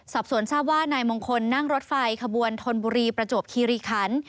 สอบสวนทราบว่านายมงคลนั่งรถไฟขบวนธนบุรีประจวบคีรีคัน